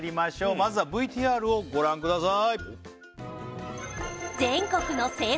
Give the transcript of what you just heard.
まずはＶＴＲをご覧ください